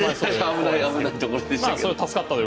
危ないところでしたけど。